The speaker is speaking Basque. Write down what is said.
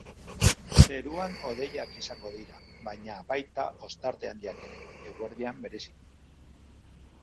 Zeruan hodeiak izango dira, baina baita ostarte handiak ere, eguerdian bereziki.